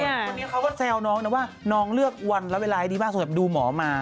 วันนี้เขาก็แซวน้องนะว่าน้องเลือกวันและเวลาให้ดีมากสำหรับดูหมอมา